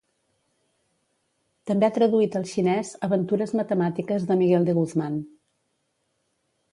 També ha traduït al xinès Aventures matemàtiques de Miguel de Guzmán.